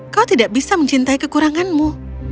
kau tidak bisa mencintai kekuranganmu